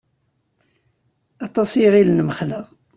Aṭas i iɣillen mxelleɣ.